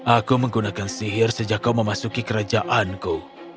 aku menggunakan sihir sejak kau memasuki kerajaanku